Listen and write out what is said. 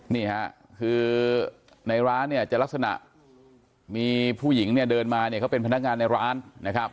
นี่ค่ะคือในร้านเนี่ยจะลักษณะมีผู้หญิงเนี่ยเดินมาเนี่ยเขาเป็นพนักงานในร้านนะครับ